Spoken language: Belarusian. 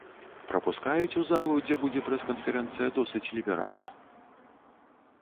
Прапускаюць у залу, дзе будзе прэс-канферэнцыя досыць ліберальна.